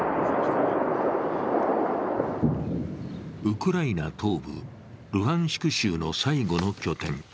ウクライナ東部ルハンシク州の最後の拠点。